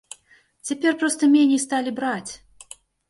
Цяпер проста меней сталі браць.